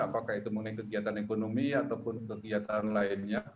apakah itu mengenai kegiatan ekonomi ataupun kegiatan lainnya